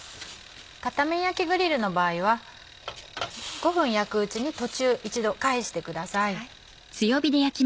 片面焼きグリルの場合は５分焼くうちに途中一度返してください。